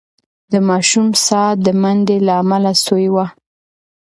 د ماشوم ساه د منډې له امله سوې وه.